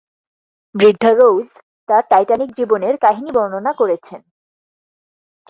বৃদ্ধা রোজ তার টাইটানিক জীবনের কাহিনী বর্ণনা করেছেন।